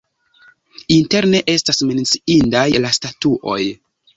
Interne estas menciindaj la statuoj.